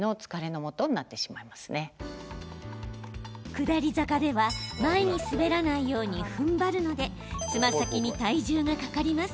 下り坂では前に滑らないようにふんばるのでつま先に体重がかかります。